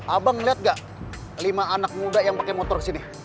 abang lihat gak lima anak muda yang pakai motor sini